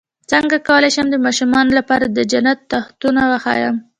څنګه کولی شم د ماشومانو لپاره د جنت تختونه وښایم